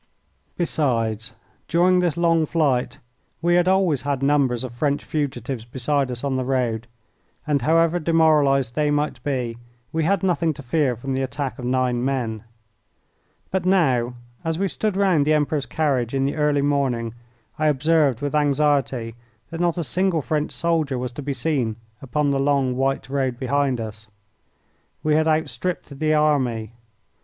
Besides, during this long flight we had always had numbers of French fugitives beside us on the road, and, however demoralised they might be, we had nothing to fear from the attack of nine men. But now, as we stood round the Emperor's carriage in the early morning, I observed with anxiety that not a single French soldier was to be seen upon the long, white road behind us. We had outstripped the army.